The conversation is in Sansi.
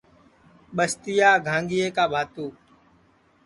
ٻستِیا گھانگِئے کا بھانتو